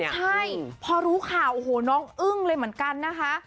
ใช่พอรู้ข่าวโอ้โหน้องอึ้งเลยเหมือนกันนะคะ